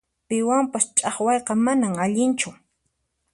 Piwanpas ch'aqwayqa manan allinchu.